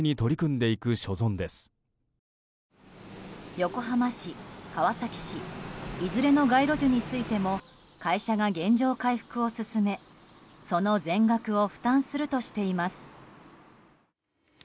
横浜市、川崎市いずれの街路樹についても会社が原状回復を進めその全額を負担するとしています。